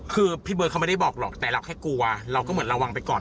คือพี่เบิร์ดเขาไม่ได้บอกหรอกแต่เราแค่กลัวเราก็เหมือนระวังไปก่อน